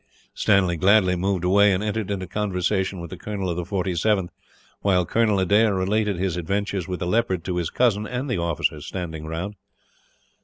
Stanley gladly moved away, and entered into conversation with the colonel of the 47th; while Colonel Adair related his adventures with the leopard to his cousin, and the officers standing round.